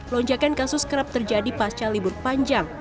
lonjakan kasus kerap terjadi pasca libur panjang